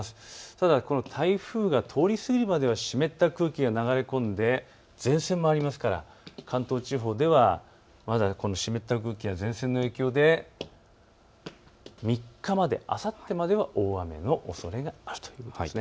ただ台風が通り過ぎるまでは湿った空気が流れ込んで前線もありますから関東地方ではまだ湿った空気が前線の影響で３日、あさってまで大雨のおそれがあるということです。